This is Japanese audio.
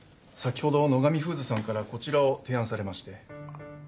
先ほど野上フーズさんからこちらを提案されまして。